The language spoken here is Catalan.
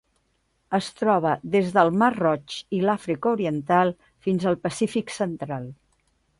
Es troba des del Mar Roig i l'Àfrica Oriental fins al Pacífic central.